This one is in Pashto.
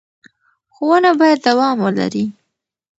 ښوونه باید دوام ولري.